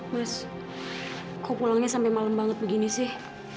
mas kok pulangnya sampai malam banget begini sih